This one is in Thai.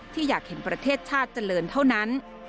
อยากเห็นประเทศชาติเจริญเท่านั้น